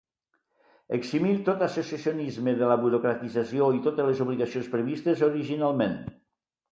Eximir tot l’associacionisme de la burocratització i totes les obligacions previstes originalment.